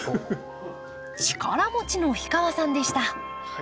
力持ちの氷川さんでした